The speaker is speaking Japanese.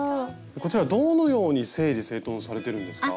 こちらどのように整理整頓されてるんですか？